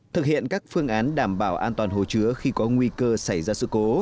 thực hiện các phương án đảm bảo an toàn hồ chứa khi có nguy cơ xảy ra sự cố